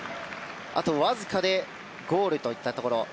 あとわずかでゴールといったところ。